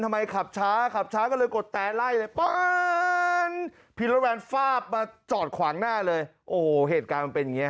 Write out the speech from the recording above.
เอิ่มเอิ่มเอิ่มเอิ่มเอิ่มเอิ่มเดี๋ยวมอบสายอะไรนี้